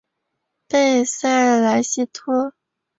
贝塞莱西托。